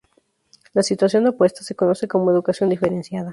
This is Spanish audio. La situación opuesta se conoce como educación diferenciada.